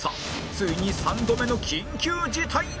ついに３度目の緊急事態が！